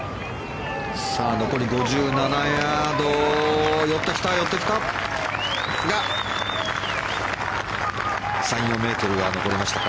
残り５７ヤード寄ってきた。